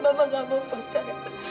mama nggak mau percaya